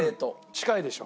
近いでしょ？